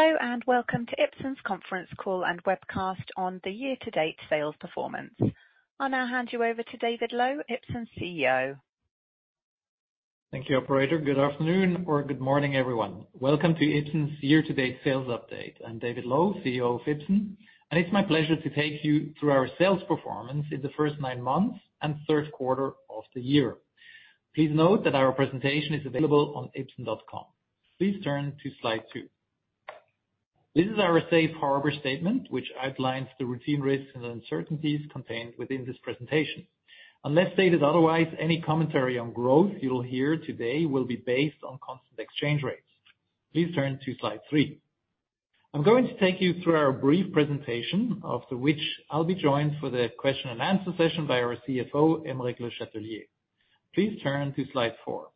Hello, and welcome to Ipsen's conference call and webcast on the year-to-date sales performance. I'll now hand you over to David Loew, Ipsen's CEO. Thank you, operator. Good afternoon or good morning, everyone. Welcome to Ipsen's year-to-date sales update. I'm David Loew, CEO of Ipsen, and it's my pleasure to take you through our sales performance in the first nine months and third quarter of the year. Please note that our presentation is available on ipsen.com. Please turn to slide two. This is our safe harbor statement, which outlines the routine risks and uncertainties contained within this presentation. Unless stated otherwise, any commentary on growth you'll hear today will be based on constant exchange rates. Please turn to slide three. I'm going to take you through our brief presentation, after which I'll be joined for the question and answer session by our CFO, Aymeric Le Chatelier. Please turn to slide four.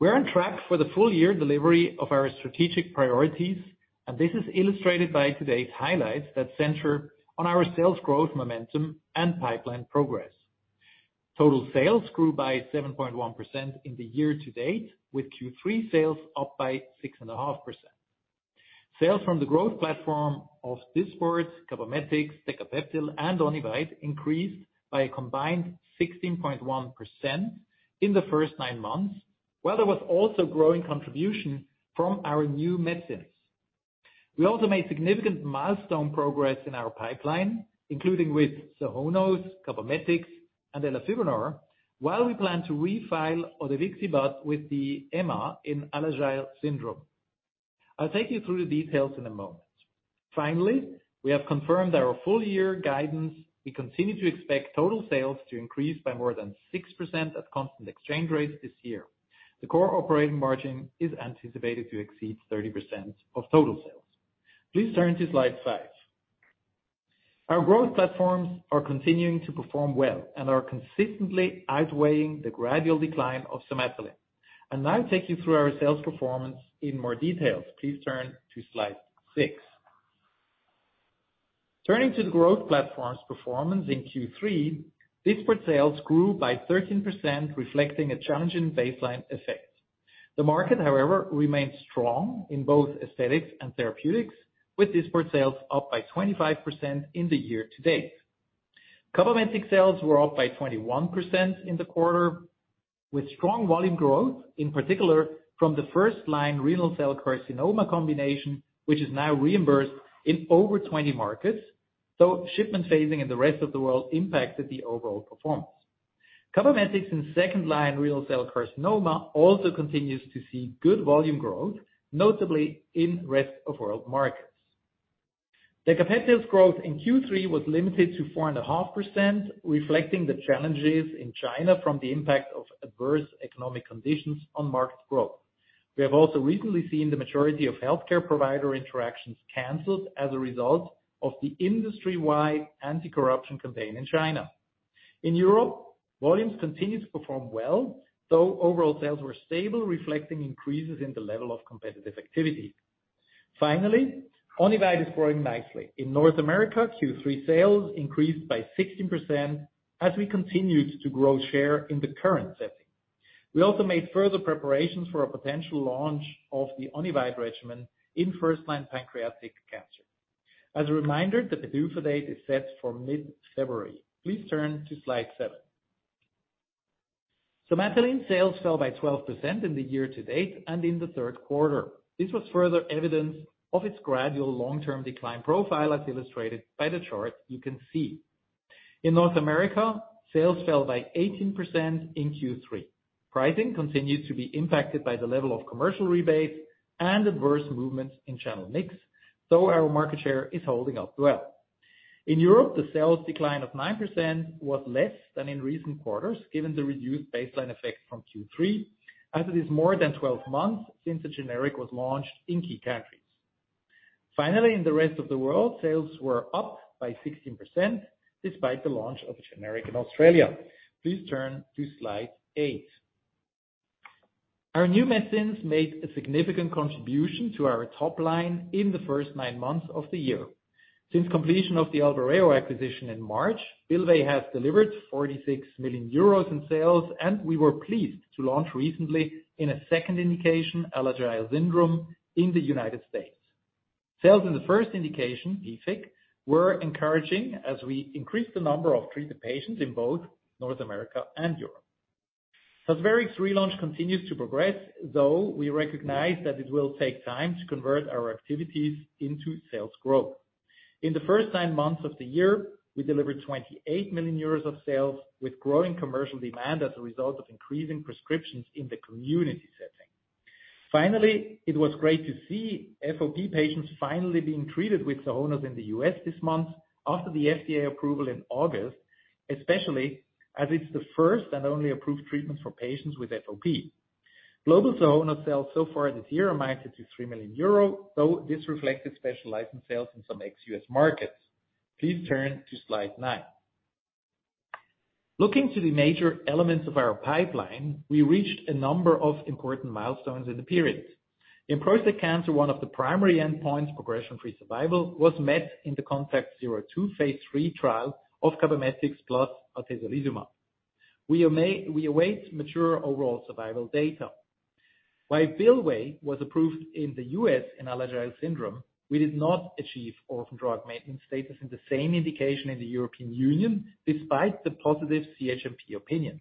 We're on track for the full year delivery of our strategic priorities, and this is illustrated by today's highlights that center on our sales growth, momentum, and pipeline progress. Total sales grew by 7.1% in the year to date, with Q3 sales up by 6.5%. Sales from the growth platform of Dysport, Cabometyx, Decapeptyl, and Onivyde increased by a combined 16.1% in the first nine months, while there was also growing contribution from our new medicines. We also made significant milestone progress in our pipeline, including with Sohonos, Cabometyx, and elafibranor, while we plan to refile odevixibat with the EMA in Alagille syndrome. I'll take you through the details in a moment. Finally, we have confirmed our full year guidance. We continue to expect total sales to increase by more than 6% at constant exchange rates this year. The core operating margin is anticipated to exceed 30% of total sales. Please turn to slide five. Our growth platforms are continuing to perform well and are consistently outweighing the gradual decline of Somatuline. I'll now take you through our sales performance in more detail. Please turn to slide six. Turning to the growth platform's performance in Q3, Dysport sales grew by 13%, reflecting a challenging baseline effect. The market, however, remains strong in both aesthetics and therapeutics, with Dysport sales up by 25% in the year to date. Cabometyx sales were up by 21% in the quarter, with strong volume growth, in particular from the first-line renal cell carcinoma combination, which is now reimbursed in over 20 markets, so shipment phasing in the rest of the world impacted the overall performance. Cabometyx in second-line renal cell carcinoma also continues to see good volume growth, notably in rest of world markets. Decapeptyl's growth in Q3 was limited to 4.5%, reflecting the challenges in China from the impact of adverse economic conditions on market growth. We have also recently seen the majority of healthcare provider interactions canceled as a result of the industry-wide anti-corruption campaign in China. In Europe, volumes continued to perform well, though overall sales were stable, reflecting increases in the level of competitive activity. Finally, Onivyde is growing nicely. In North America, Q3 sales increased by 16% as we continued to grow share in the current setting. We also made further preparations for a potential launch of the Onivyde regimen in first-line pancreatic cancer. As a reminder, the PDUFA date is set for mid-February. Please turn to slide seven. Somatuline sales fell by 12% in the year to date and in the third quarter. This was further evidence of its gradual long-term decline profile, as illustrated by the chart you can see. In North America, sales fell by 18% in Q3. Pricing continued to be impacted by the level of commercial rebates and adverse movements in channel mix, though our market share is holding up well. In Europe, the sales decline of 9% was less than in recent quarters, given the reduced baseline effect from Q3, as it is more than 12 months since the generic was launched in key countries. Finally, in the rest of the world, sales were up by 16%, despite the launch of a generic in Australia. Please turn to slide eight. Our new medicines made a significant contribution to our top line in the first nine months of the year. Since completion of the Albireo acquisition in March, Bylvay has delivered 46 million euros in sales, and we were pleased to launch recently in a second indication, Alagille syndrome, in the United States. Sales in the first indication, PFIC, were encouraging as we increased the number of treated patients in both North America and Europe. Onivyde's relaunch continues to progress, though we recognize that it will take time to convert our activities into sales growth. In the first nine months of the year, we delivered 28 million euros of sales, with growing commercial demand as a result of increasing prescriptions in the community setting. Finally, it was great to see FOP patients finally being treated with Sohonos in the U.S. this month after the FDA approval in August, especially as it's the first and only approved treatment for patients with FOP. Global Sohonos sales so far this year amounted to 3 million euro, though this reflected special license sales in some ex-U.S. markets. Please turn to slide nine. Looking to the major elements of our pipeline, we reached a number of important milestones in the period. In prostate cancer, one of the primary endpoints, progression-free survival, was met in the CONTACT-02 phase III trial of Cabometyx plus atezolizumab. We await mature overall survival data. While Bylvay was approved in the U.S. in Alagille syndrome, we did not achieve orphan drug maintenance status in the same indication in the European Union, despite the positive CHMP opinion.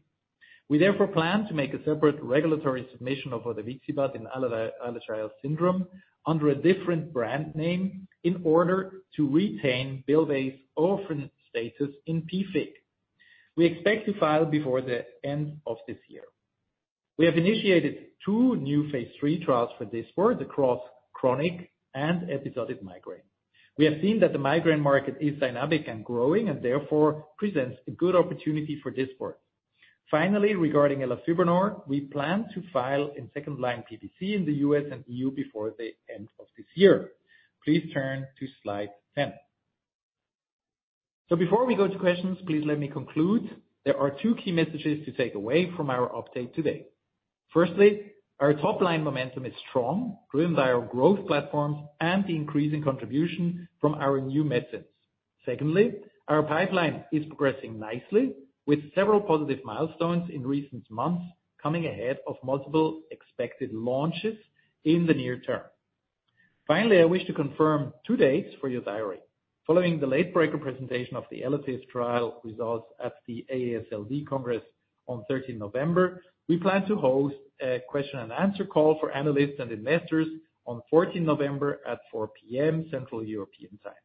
We therefore plan to make a separate regulatory submission of odevixibat in Alagille, Alagille syndrome under a different brand name in order to retain Bylvay's orphan status in PFIC. We expect to file before the end of this year. We have initiated two new phase III trials for Dysport across chronic and episodic migraine. We have seen that the migraine market is dynamic and growing, and therefore presents a good opportunity for Dysport. Finally, regarding elafibranor, we plan to file in second-line PBC in the U.S. and EU before the end of this year. Please turn to slide 10. So before we go to questions, please let me conclude. There are two key messages to take away from our update today. Firstly, our top line momentum is strong, driven by our growth platforms and the increasing contribution from our new medicines. Secondly, our pipeline is progressing nicely, with several positive milestones in recent months, coming ahead of multiple expected launches in the near term. Finally, I wish to confirm two dates for your diary. Following the late breaker presentation of the ELATIVE trial results at the AASLD Congress on 13 November, we plan to host a question and answer call for analysts and investors on 14 November at 4:00 P.M., Central European Time.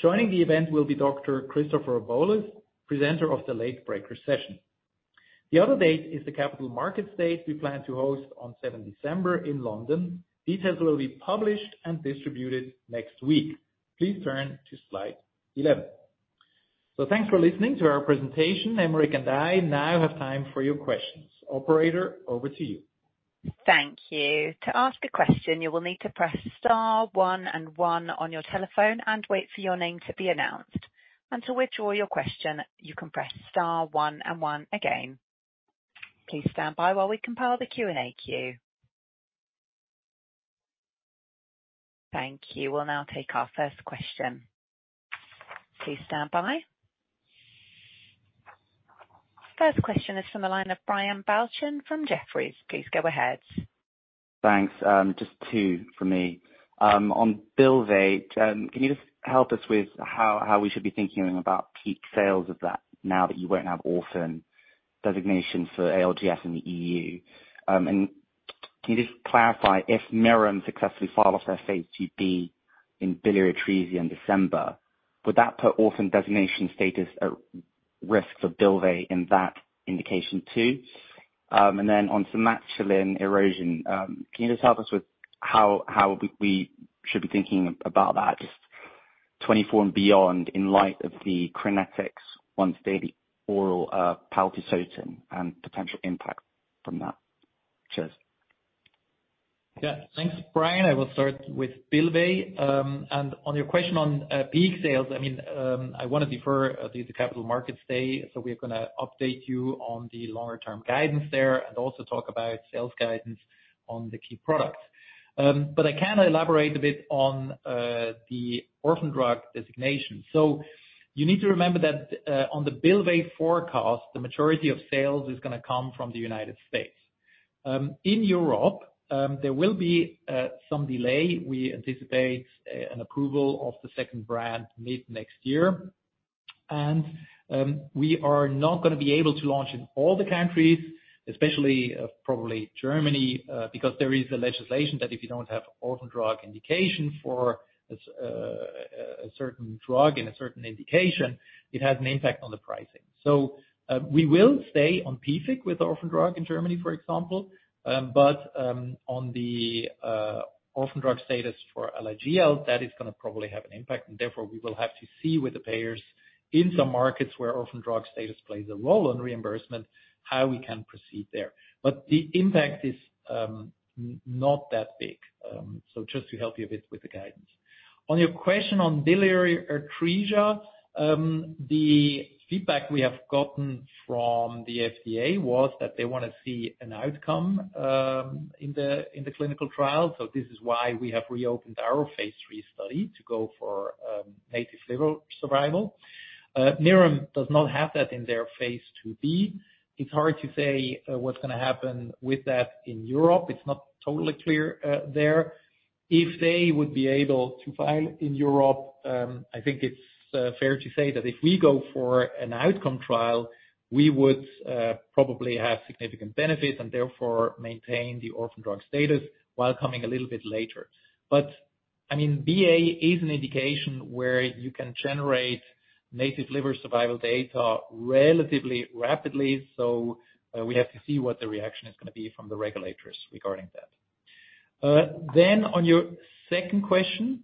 Joining the event will be Dr. Christopher Bowlus, presenter of the late breaker session. The other date is the Capital Markets Day we plan to host on 7 December in London. Details will be published and distributed next week. Please turn to slide 11. So thanks for listening to our presentation. Aymeric and I now have time for your questions. Operator, over to you. Thank you. To ask a question, you will need to press star one and one on your telephone and wait for your name to be announced. To withdraw your question, you can press star one and one again. Please stand by while we compile the Q&A queue. Thank you. We'll now take our first question. Please stand by. First question is from the line of Brian Balchin from Jefferies. Please go ahead. Thanks. Just two from me. On Bylvay, can you just help us with how we should be thinking about peak sales of that now that you won't have orphan designation for ALGS in the EU? And can you just clarify, if Mirum successfully file for their phase IIb in biliary atresia in December, would that put orphan designation status at risk for Bylvay in that indication, too? And then on Somatuline erosion, can you just help us with how we should be thinking about that, just 2024 and beyond, in light of the Crinetics on daily oral paltusotine and potential impact from that? Cheers. Yeah. Thanks, Brian. I will start with Bylvay, and on your question on peak sales, I mean, I want to defer to the Capital Markets Day, so we're going to update you on the longer term guidance there, and also talk about sales guidance on the key products. But I can elaborate a bit on the orphan drug designation. So you need to remember that, on the Bylvay forecast, the majority of sales is going to come from the United States. In Europe, there will be some delay. We anticipate an approval of the second brand mid-next year. We are not going to be able to launch in all the countries, especially, probably Germany, because there is a legislation that if you don't have orphan drug indication for a certain drug in a certain indication, it has an impact on the pricing. So, we will stay on PFIC with orphan drug in Germany, for example, but on the orphan drug status for Alagille, that is going to probably have an impact, and therefore, we will have to see with the payers in some markets where orphan drug status plays a role in reimbursement, how we can proceed there. But the impact is not that big. So just to help you a bit with the guidance. On your question on biliary atresia, the feedback we have gotten from the FDA was that they want to see an outcome in the clinical trial. So this is why we have reopened our phase III study, to go for native liver survival. Mirum does not have that in their phase IIb. It's hard to say what's going to happen with that in Europe. It's not totally clear there. If they would be able to file in Europe, I think it's fair to say that if we go for an outcome trial, we would probably have significant benefits and therefore maintain the orphan drug status while coming a little bit later. But, I mean, BA is an indication where you can generate native liver survival data relatively rapidly, so we have to see what the reaction is going to be from the regulators regarding that. Then on your second question,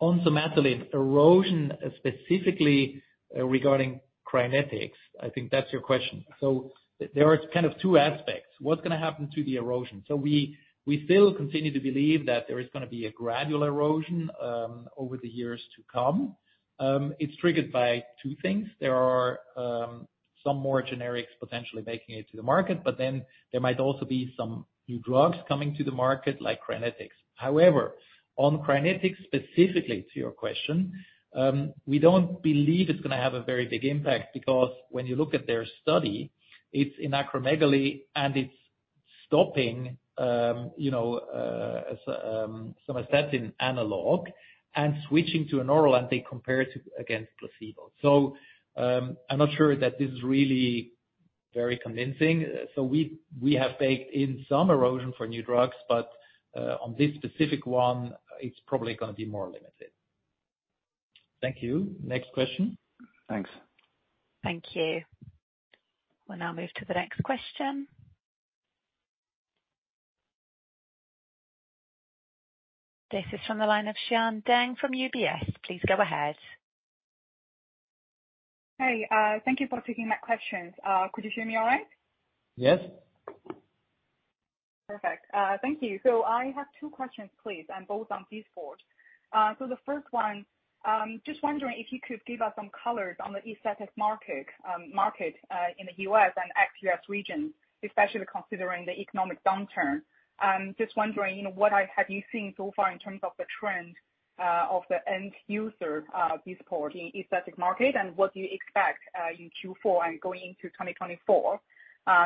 on Somatuline erosion, specifically, regarding Crinetics, I think that's your question. So there are kind of two aspects. What's going to happen to the erosion? So we, we still continue to believe that there is going to be a gradual erosion over the years to come. It's triggered by two things. There are some more generics potentially making it to the market, but then there might also be some new drugs coming to the market, like Crinetics. However, on Crinetics, specifically to your question, we don't believe it's going to have a very big impact because when you look at their study, it's in acromegaly, and it's stopping, you know, some somatostatin analog and switching to an oral anti compared to placebo. So, I'm not sure that this is really very convincing. So we, we have baked in some erosion for new drugs, but, on this specific one, it's probably gonna be more limited. Thank you. Next question. Thanks. Thank you. We'll now move to the next question. This is from the line of Xian Deng from UBS. Please go ahead. Hey, thank you for taking that question. Could you hear me all right? Yes. Perfect. Thank you. So I have two questions, please, and both on Dysport. So the first one, just wondering if you could give us some colors on the aesthetic market in the U.S. and ex-U.S. region, especially considering the economic downturn. Just wondering, you know, what are, have you seen so far in terms of the trend of the end user Dysport in aesthetic market, and what do you expect in Q4 and going into 2024?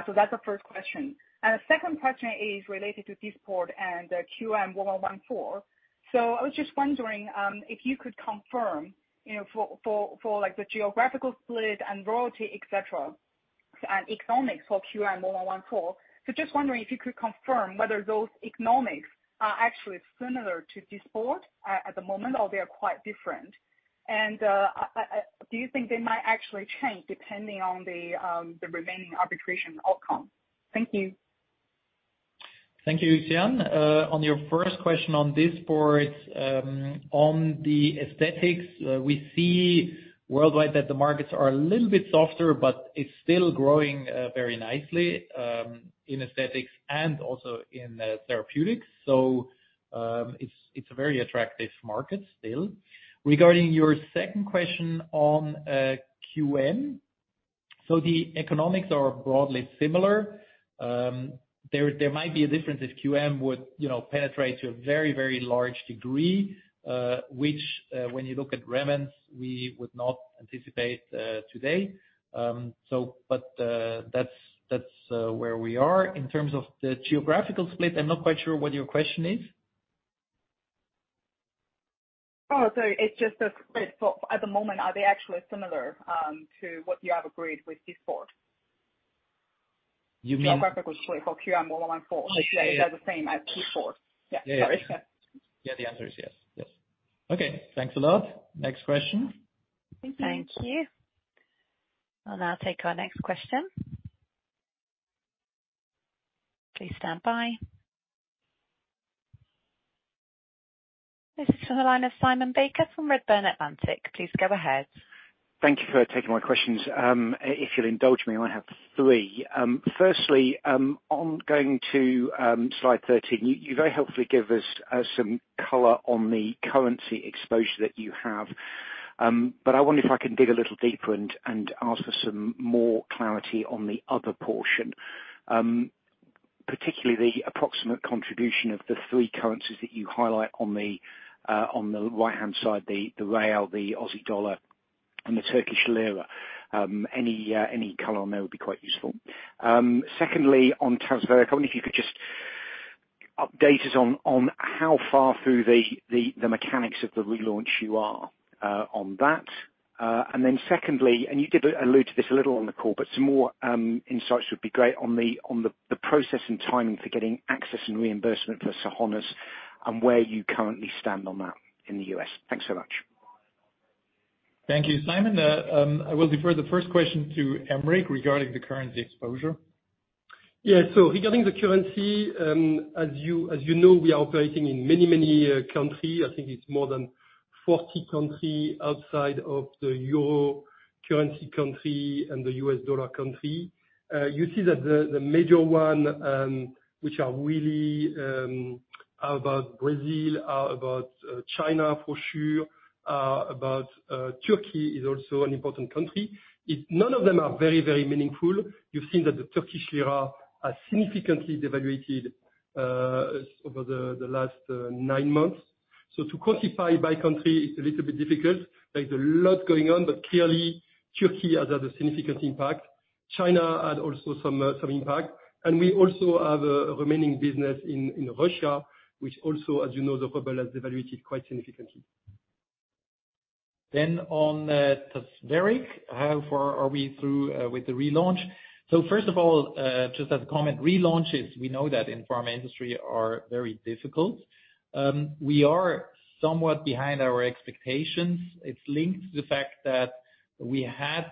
So that's the first question. And the second question is related to Dysport and QM1114. So I was just wondering if you could confirm, you know, like, the geographical split and royalty, et cetera, and economics for QM1114. Just wondering if you could confirm whether those economics are actually similar to Dysport at the moment, or they are quite different. Do you think they might actually change depending on the remaining arbitration outcome? Thank you. Thank you, Xian. On your first question on Dysport, on the aesthetics, we see worldwide that the markets are a little bit softer, but it's still growing very nicely in aesthetics and also in therapeutics. So, it's a very attractive market still. Regarding your second question on QM, the economics are broadly similar. There might be a difference if QM would, you know, penetrate to a very, very large degree, which, when you look at Revance, we would not anticipate today. That's where we are. In terms of the geographical split, I'm not quite sure what your question is. Oh, so it's just a split. At the moment, are they actually similar to what you have agreed with Dysport? You mean- Geographical split for QM1114, they are the same as Dysport. Yeah. Sorry. Yeah, the answer is yes. Yes. Okay, thanks a lot. Next question. Thank you. We'll now take our next question. Please stand by. This is on the line of Simon Baker from Redburn Atlantic. Please go ahead. Thank you for taking my questions. If you'll indulge me, I have three. Firstly, on going to slide 13, you very helpfully give us some color on the currency exposure that you have, but I wonder if I can dig a little deeper and ask for some more clarity on the other portion. Particularly the approximate contribution of the three currencies that you highlight on the right-hand side, the real, the Aussie dollar and the Turkish lira. Any color on that would be quite useful. Secondly, on Tazverik, I wonder if you could just update us on how far through the mechanics of the relaunch you are on that. And then secondly, and you did allude to this a little on the call, but some more insights would be great on the process and timing for getting access and reimbursement for Sohonos and where you currently stand on that in the U.S.? Thanks so much. Thank you, Simon. I will defer the first question to Aymeric regarding the currency exposure. Yeah. So regarding the currency, as you know, we are operating in many, many country. I think it's more than 40 country outside of the euro currency country and the US dollar country. You see that the major one, which are really about Brazil, about China, for sure, about Turkey is also an important country. It none of them are very, very meaningful. You've seen that the Turkish lira has significantly devalued over the last nine months. So to quantify by country is a little bit difficult. There is a lot going on, but clearly Turkey has had a significant impact. China had also some impact. And we also have a remaining business in Russia, which also, as you know, the ruble has devalued quite significantly. Then on Tazverik, how far are we through with the relaunch? So, first of all, just as a comment, relaunches, we know that in pharma industry are very difficult. We are somewhat behind our expectations. It's linked to the fact that we had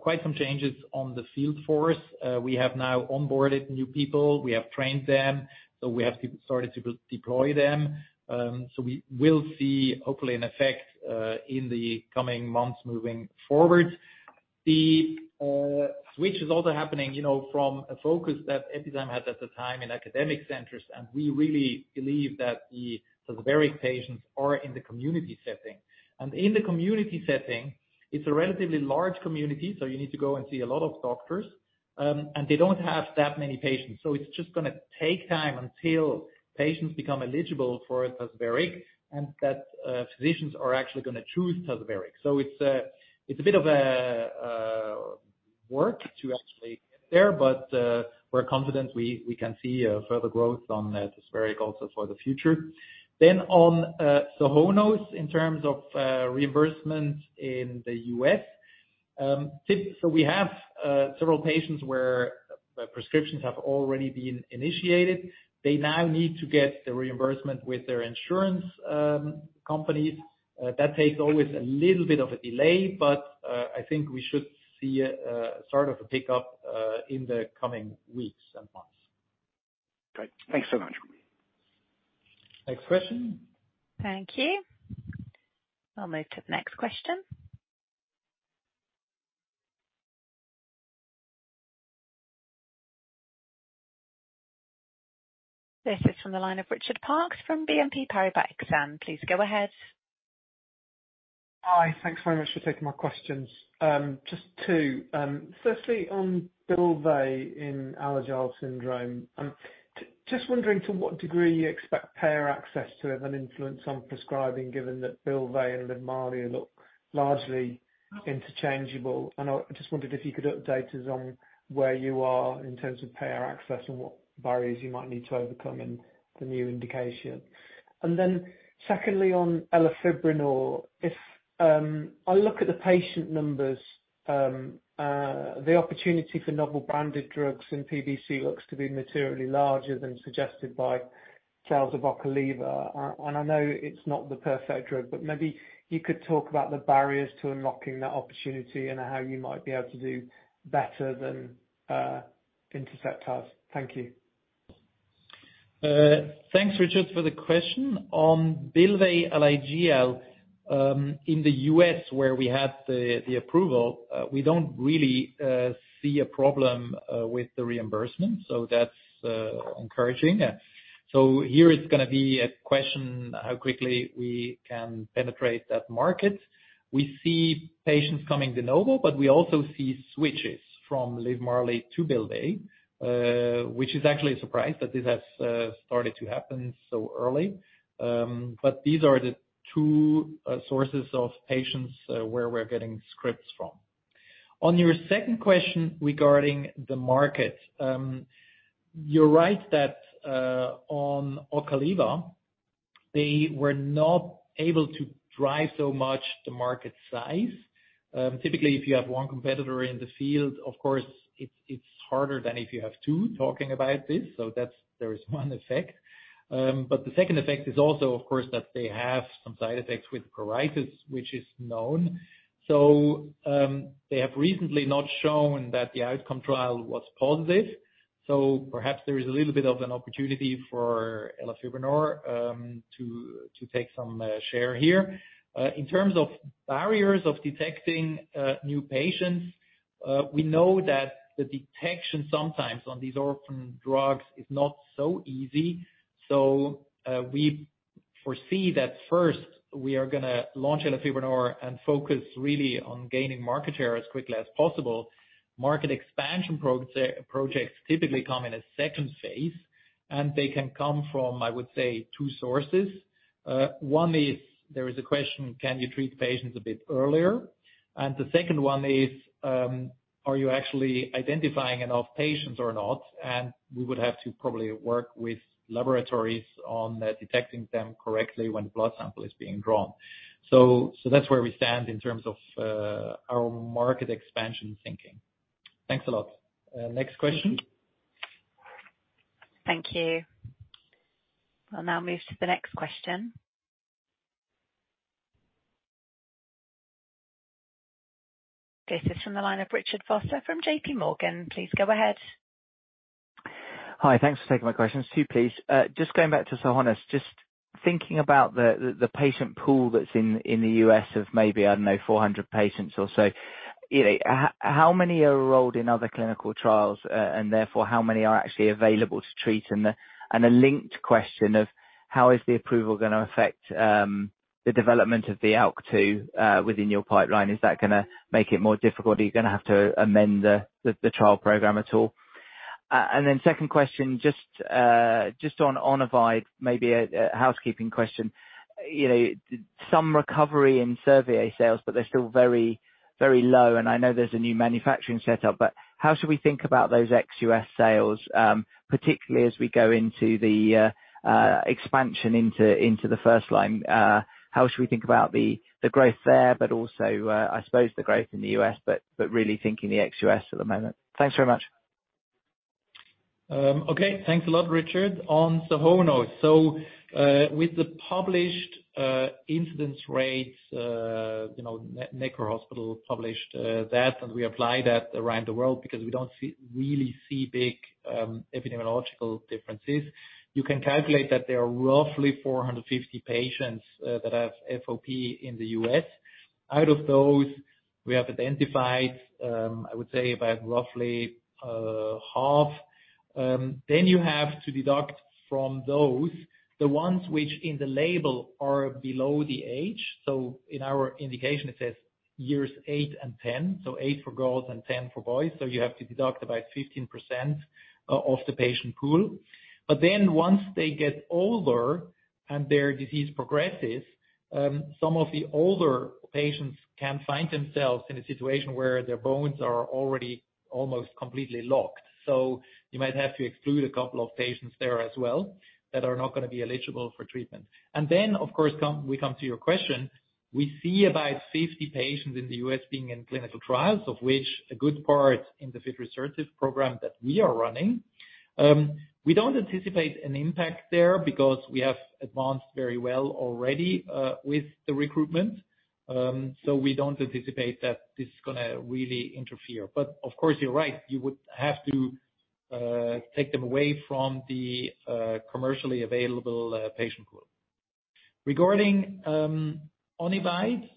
quite some changes on the field force. We have now onboarded new people. We have trained them, so we have started to deploy them. So we will see, hopefully, an effect in the coming months moving forward. The switch is also happening, you know, from a focus that Epizyme had at the time in academic centers, and we really believe that the Tazverik patients are in the community setting. And in the community setting, it's a relatively large community, so you need to go and see a lot of doctors, and they don't have that many patients. So it's just gonna take time until patients become eligible for Tazverik and that, physicians are actually gonna choose Tazverik. So it's a, it's a bit of a work to actually get there, but, we're confident we can see, further growth on, this area also for the future. Then on, Sohonos, in terms of, reimbursement in the U.S., so we have, several patients where, prescriptions have already been initiated. They now need to get the reimbursement with their insurance, companies. That takes always a little bit of a delay, but, I think we should see, sort of a pickup, in the coming weeks and months. Great. Thanks so much. Next question. Thank you. I'll move to the next question. This is from the line of Richard Parkes from BNP Paribas Exane. Please go ahead. Hi, thanks very much for taking my questions. Just two. Firstly, on Bylvay in Alagille syndrome, just wondering to what degree you expect payer access to have an influence on prescribing, given that Bylvay and Livmarli look largely interchangeable. And I just wondered if you could update us on where you are in terms of payer access and what barriers you might need to overcome in the new indication. And then, secondly, on elafibranor, if I look at the patient numbers, the opportunity for novel branded drugs in PBC looks to be materially larger than suggested by trials of Ocaliva. And I know it's not the perfect drug, but maybe you could talk about the barriers to unlocking that opportunity and how you might be able to do better than Intercept. Thank you. Thanks, Richard, for the question. On Bylvay Alagille, in the US, where we had the approval, we don't really see a problem with the reimbursement, so that's encouraging. So here it's gonna be a question, how quickly we can penetrate that market. We see patients coming de novo, but we also see switches from Livmarli to Bylvay, which is actually a surprise that this has started to happen so early. But these are the two sources of patients where we're getting scripts from. On your second question regarding the market, you're right that on Ocaliva, they were not able to drive so much the market size. Typically, if you have one competitor in the field, of course, it's harder than if you have two talking about this, so that's there is one effect. But the second effect is also, of course, that they have some side effects with colitis, which is known. So, they have recently not shown that the outcome trial was positive, so perhaps there is a little bit of an opportunity for elafibranor to take some share here. In terms of barriers of detecting new patients, we know that the detection sometimes on these orphan drugs is not so easy, so we foresee that first we are gonna launch elafibranor and focus really on gaining market share as quickly as possible. Market expansion projects typically come in a phase II, and they can come from, I would say, two sources. One is, there is a question, can you treat patients a bit earlier? And the second one is, are you actually identifying enough patients or not? We would have to probably work with laboratories on detecting them correctly when blood sample is being drawn. So that's where we stand in terms of our market expansion thinking. Thanks a lot. Next question. Thank you. I'll now move to the next question. This is from the line of Richard Vosser from JPMorgan. Please go ahead. Hi, thanks for taking my questions. Two, please. Just going back to Sohonos, just thinking about the patient pool that's in the US of maybe, I don't know, 400 patients or so, you know, how many are enrolled in other clinical trials, and therefore, how many are actually available to treat? And a linked question of, how is the approval gonna affect the development of the ALK2 within your pipeline? Is that gonna make it more difficult? Are you gonna have to amend the trial program at all? And then second question, just on Onivyde, maybe a housekeeping question. You know, some recovery in Somatuline sales, but they're still very, very low, and I know there's a new manufacturing setup, but how should we think about those ex-US sales, particularly as we go into the expansion into the first line? How should we think about the growth there, but also, I suppose the growth in the US, but really thinking the ex-US at the moment? Thanks very much. Okay. Thanks a lot, Richard. On Sohonos, so, with the published incidence rates, you know, Necker Hospital published that, and we applied that around the world because we don't see really see big epidemiological differences. You can calculate that there are roughly 450 patients that have FOP in the U.S. Out of those, we have identified, I would say, about roughly half. Then you have to deduct from those, the ones which in the label are below the age. So in our indication, it says years 8 and 10. So 8 for girls and 10 for boys, so you have to deduct about 15% of the patient pool. But then once they get older and their disease progresses-... Some of the older patients can find themselves in a situation where their bones are already almost completely locked. So you might have to exclude a couple of patients there as well, that are not gonna be eligible for treatment. And then, of course, we come to your question. We see about 50 patients in the U.S. being in clinical trials, of which a good part in the fifth research program that we are running. We don't anticipate an impact there because we have advanced very well already with the recruitment. So we don't anticipate that this is gonna really interfere. But of course, you're right, you would have to take them away from the commercially available patient pool. Regarding Onivyde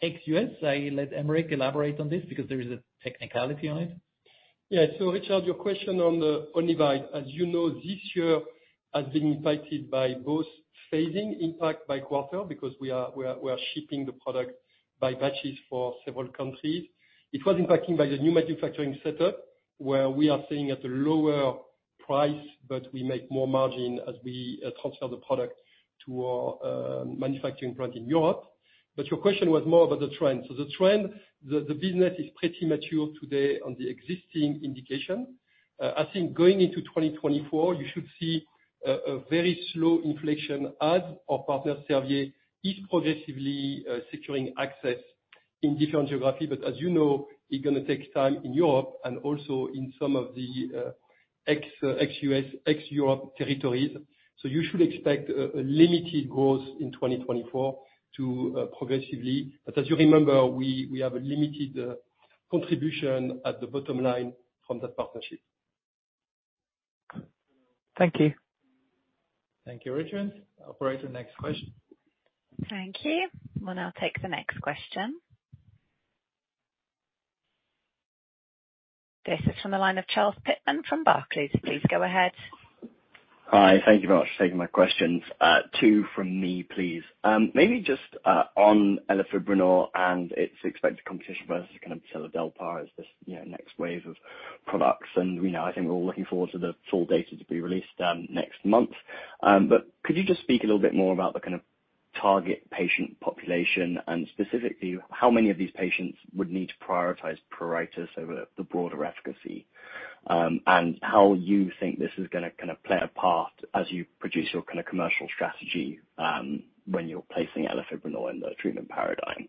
ex-U.S., I let Aymeric elaborate on this because there is a technicality on it. Yeah. So Richard, your question on the Onivyde, as you know, this year has been impacted by both phasing impact by quarter, because we are shipping the product by batches for several countries. It was impacted by the new manufacturing setup, where we are seeing at a lower price, but we make more margin as we transfer the product to our manufacturing plant in Europe. But your question was more about the trend. So the trend, the business is pretty mature today on the existing indication. I think going into 2024, you should see a very slow inflation as our partner, Servier, is progressively securing access in different geographies. But as you know, it's gonna take time in Europe and also in some of the ex-US, ex-Europe territories. So you should expect a limited growth in 2024 to progressively. But as you remember, we have a limited contribution at the bottom line from that partnership. Thank you. Thank you, Richard. Operator, next question. Thank you. We'll now take the next question. This is from the line of Charles Pitman from Barclays. Please go ahead. Hi, thank you very much for taking my questions. Two from me, please. Maybe just on elafibranor and its expected competition versus kind of seladelpar as this, you know, next wave of products. And, you know, I think we're all looking forward to the full data to be released next month. But could you just speak a little bit more about the kind of target patient population? And specifically, how many of these patients would need to prioritize pruritus over the broader efficacy, and how you think this is gonna kind of play a part as you produce your kind of commercial strategy, when you're placing elafibranor in the treatment paradigm.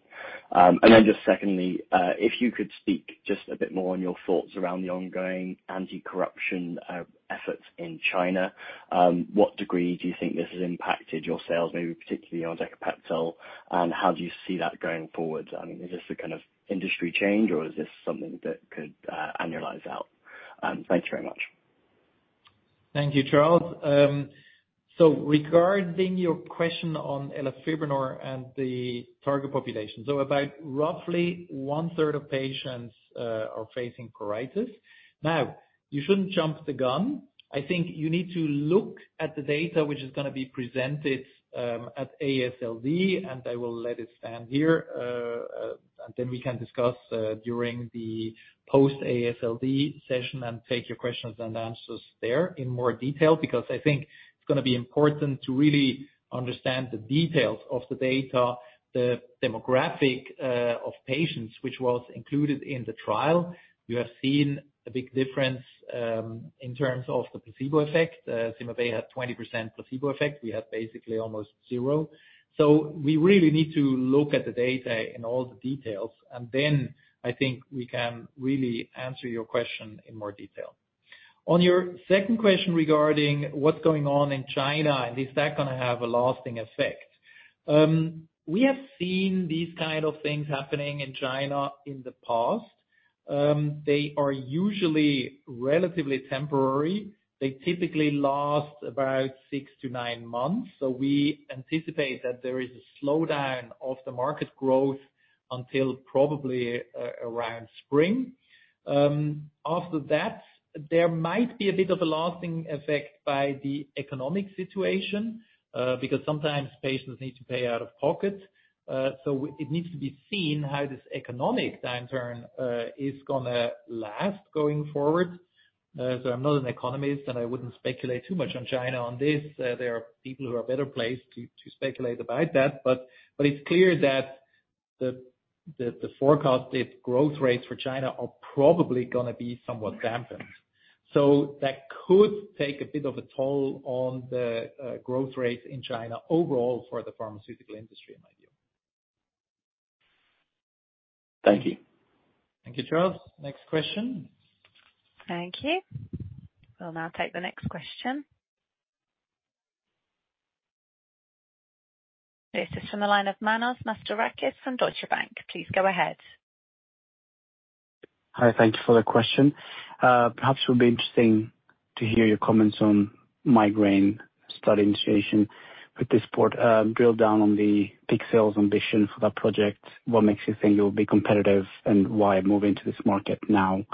And then just secondly, if you could speak just a bit more on your thoughts around the ongoing anti-corruption efforts in China. What degree do you think this has impacted your sales, maybe particularly on Decapeptyl, and how do you see that going forward? I mean, is this a kind of industry change, or is this something that could annualize out? Thank you very much. Thank you, Charles. So regarding your question on elafibranor and the target population. So about roughly one-third of patients are facing pruritus. Now, you shouldn't jump the gun. I think you need to look at the data which is gonna be presented at AASLD, and I will let it stand here. And then we can discuss during the post-AASLD session and take your questions and answers there in more detail, because I think it's gonna be important to really understand the details of the data, the demographic of patients which was included in the trial. We have seen a big difference in terms of the placebo effect. CymaBay had 20% placebo effect. We have basically almost zero. So we really need to look at the data in all the details, and then I think we can really answer your question in more detail. On your second question regarding what's going on in China, and is that gonna have a lasting effect? We have seen these kind of things happening in China in the past. They are usually relatively temporary. They typically last about six to nine months, so we anticipate that there is a slowdown of the market growth until probably around spring. After that, there might be a bit of a lasting effect by the economic situation, because sometimes patients need to pay out of pocket. So it needs to be seen how this economic downturn is gonna last going forward. So I'm not an economist, and I wouldn't speculate too much on China on this. There are people who are better placed to speculate about that. But it's clear that the forecasted growth rates for China are probably gonna be somewhat dampened. So that could take a bit of a toll on the growth rates in China overall for the pharmaceutical industry, in my view. Thank you. Thank you, Charles. Next question? Thank you. We'll now take the next question. This is from the line of Manos Mastorakis from Deutsche Bank. Please go ahead. Hi, thank you for the question. Perhaps it would be interesting to hear your comments on migraine study initiation. With this part, drill down on the big sales ambition for that project. What makes you think it will be competitive, and why move into this market now?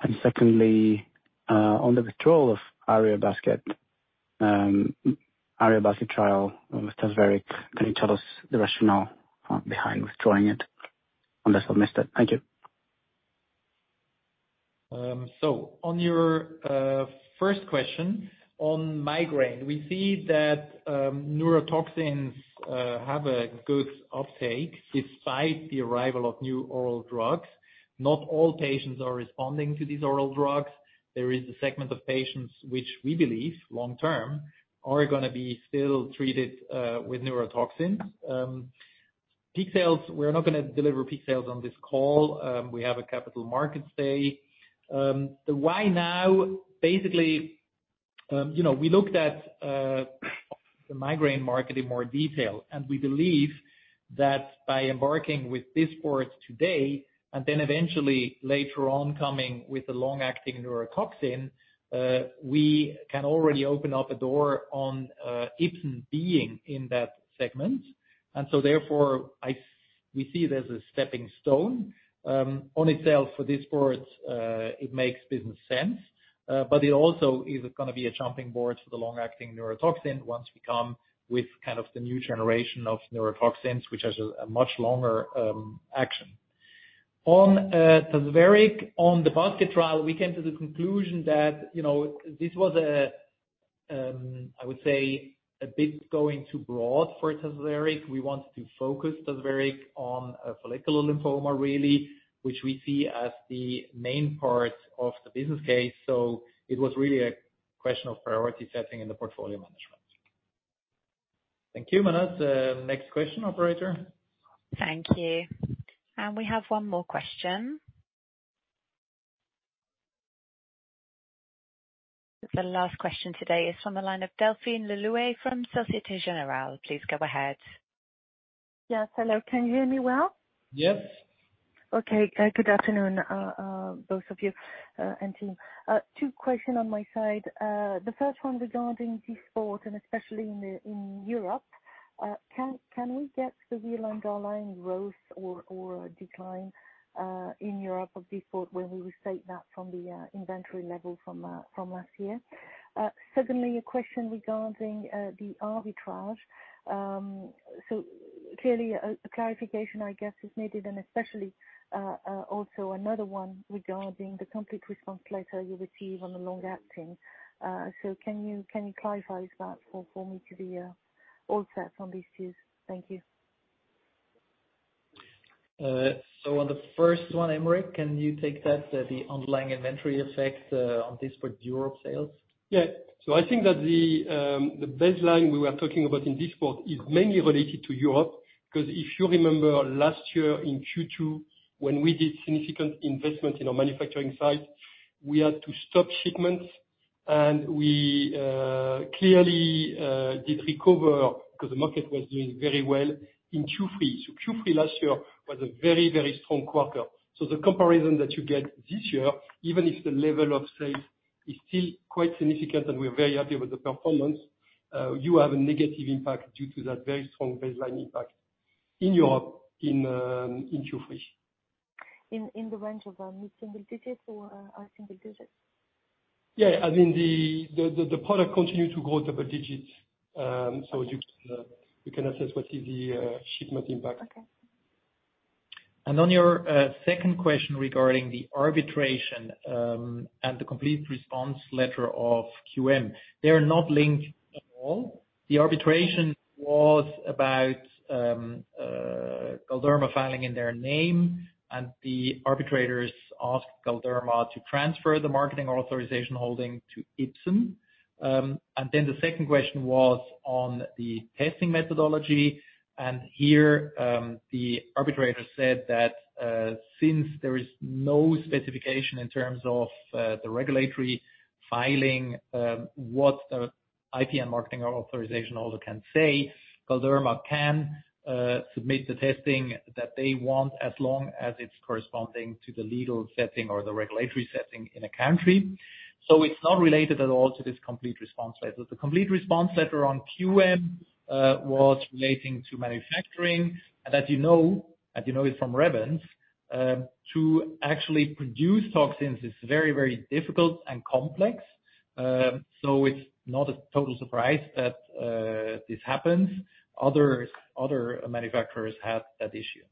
And secondly, on the withdrawal of our basket, ARIA Basket trial, Mr. Aymeric, can you tell us the rationale behind withdrawing it? Unless I missed it. Thank you. ... So on your first question on migraine, we see that neurotoxins have a good uptake despite the arrival of new oral drugs. Not all patients are responding to these oral drugs. There is a segment of patients which we believe, long-term, are gonna be still treated with neurotoxins. Peak sales, we're not gonna deliver peak sales on this call. We have a Capital Markets Day. The why now, basically, you know, we looked at the migraine market in more detail, and we believe that by embarking with Dysport today, and then eventually, later on, coming with a long-acting neurotoxin, we can already open up a door on Ipsen being in that segment. And so therefore, we see it as a stepping stone. On itself, for Dysport, it makes business sense, but it also is gonna be a springboard for the long-acting neurotoxin once we come with kind of the new generation of neurotoxins, which has a much longer action. On Tazverik, on the basket trial, we came to the conclusion that, you know, this was a, I would say, a bit going too broad for Tazverik. We wanted to focus Tazverik on follicular lymphoma, really, which we see as the main part of the business case. So it was really a question of priority setting in the portfolio management. Thank you, Manos. Next question, operator. Thank you. We have one more question. The last question today is from the line of Delphine Le Louet from Société Générale. Please go ahead. Yes, hello. Can you hear me well? Yes. Okay. Good afternoon, both of you and team. Two question on my side. The first one regarding Dysport and especially in Europe. Can we get the real underlying growth or decline in Europe of Dysport, where we restate that from the inventory level from last year? Secondly, a question regarding the arbitration. So clearly, a clarification, I guess, is needed, and especially also another one regarding the complete response letter you received on the long-acting. So can you clarify that for me to be all set on these issues? Thank you. On the first one, Aymeric, can you take that, the underlying inventory effect, on Dysport Europe sales? Yeah. So I think that the baseline we were talking about in Dysport is mainly related to Europe, because if you remember last year in Q2, when we did significant investment in our manufacturing site, we had to stop shipments. And we clearly did recover because the market was doing very well in Q3. So Q3 last year was a very, very strong quarter. So the comparison that you get this year, even if the level of sales is still quite significant, and we're very happy with the performance, you have a negative impact due to that very strong baseline impact in Europe, in Q3. In the range of mid-single digits or high single digits? Yeah, I mean, the product continued to grow double digits. So you can assess what is the shipment impact. Okay. On your second question regarding the arbitration, and the complete response letter of QM1114, they are not linked at all. The arbitration was about Galderma filing in their name, and the arbitrators asked Galderma to transfer the marketing authorization holding to Ipsen. Then the second question was on the testing methodology, and here the arbitrator said that since there is no specification in terms of the regulatory filing, what the IP and marketing authorization holder can say, Galderma can submit the testing that they want, as long as it's corresponding to the legal setting or the regulatory setting in a country. So it's not related at all to this complete response letter. The complete response letter on QM1114 was relating to manufacturing. As you know, as you know it from Revance, to actually produce toxins is very, very difficult and complex. So it's not a total surprise that this happens. Other manufacturers have that issue.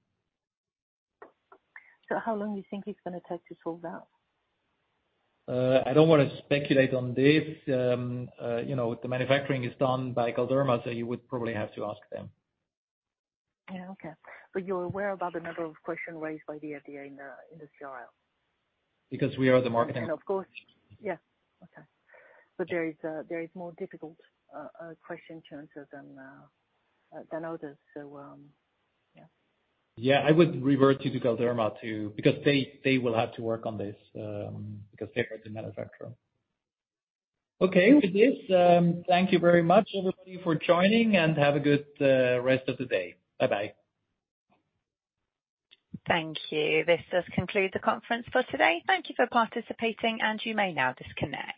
How long do you think it's gonna take to solve that? I don't wanna speculate on this. You know, the manufacturing is done by Galderma, so you would probably have to ask them. Yeah, okay. But you're aware about the number of questions raised by the FDA in the CRL? Because we are the marketing- Of course. Yeah. Okay. But there is more difficult question to answer than others, so, yeah. Yeah, I would revert you to Galderma to... Because they, they will have to work on this, because they are the manufacturer. Okay, with this, thank you very much, all of you, for joining, and have a good rest of the day. Bye-bye. Thank you. This does conclude the conference for today. Thank you for participating, and you may now disconnect.